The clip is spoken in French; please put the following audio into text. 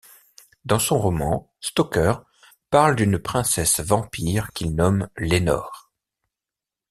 Dans Son roman Stoker, parle d'une princesse vampire qu'il nomme Lénore.